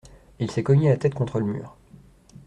Il s’est cogné la tête contre le mur.